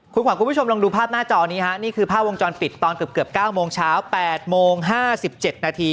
คุณขวัญคุณผู้ชมลองดูภาพหน้าจอนี้ฮะนี่คือภาพวงจรปิดตอนเกือบ๙โมงเช้า๘โมง๕๗นาที